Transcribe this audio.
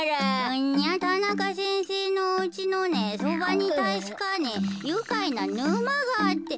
いやたなかせんせいのおうちのねそばにたしかねゆかいなぬまがあって。